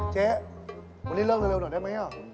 เจ๊วันนี้เลิกเร็วหน่อยได้ไหม